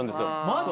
マジ！？